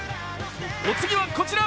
お次はこちら。